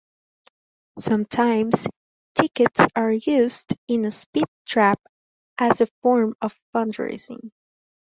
Sometimes tickets are used in a speed trap as a form of fundraising.